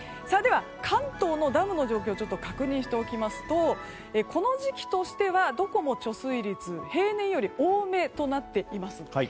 では、関東のダムの状況を確認しておきますとこの時期としてはどこも貯水率は平年よりも多めとなっています。